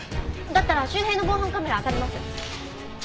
だったら周辺の防犯カメラあたります。